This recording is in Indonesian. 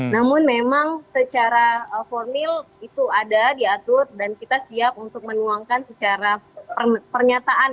namun memang secara formil itu ada diatur dan kita siap untuk menuangkan secara pernyataan